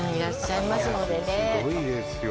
いやすごいですよ